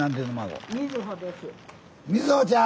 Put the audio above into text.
瑞穂ちゃん。